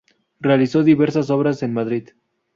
Realizó diversas obras en Madrid.